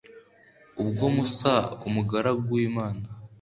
ubwo musa, umugaragu w'imana